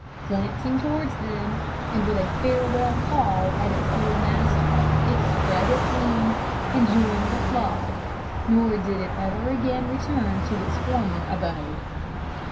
Glancing towards them, and with a farewell caw at its old master, it spread its wings and joined the flock; nor did it ever again return to its former abode.